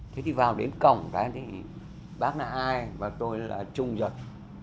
thế thì vào đến cổng đó bác là ai và tôi là trung giật